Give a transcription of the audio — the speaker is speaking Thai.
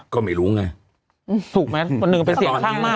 ก็ไม่รู้ไง